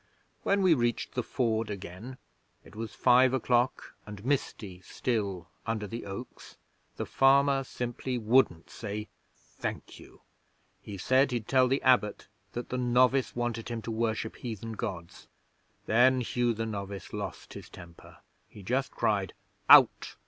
When we reached the Ford again it was five o'clock and misty still under the oaks the farmer simply wouldn't say "Thank you." He said he'd tell the Abbot that the novice wanted him to worship heathen Gods. Then Hugh the novice lost his temper. He just cried, "Out!"